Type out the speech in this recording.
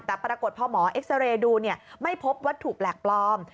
แต่ปรากฏพอหมอเอ็กซาเรย์ดูไม่พบวัตถุแปลกปลอม